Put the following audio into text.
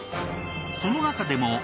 その中でも。